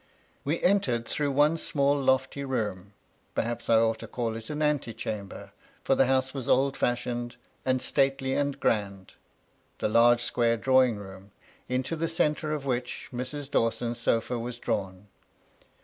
We entered through one small lofty room, perhaps I ought to call it an antechamber, for the house was old fashioned, and stately and grand, the large square drawing room, into the centre of which Mrs. Dawson's sofa was drawn.